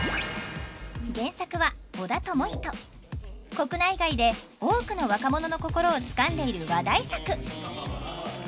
国内外で多くの若者の心をつかんでいる話題作！